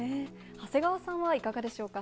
長谷川さんはいかがでしょうか？